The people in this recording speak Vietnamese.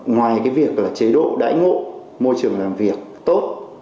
ngoài cái việc là chế độ đãi ngộ môi trường làm việc tốt